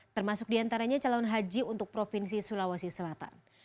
termasuk diantaranya calon haji untuk provinsi sulawesi selatan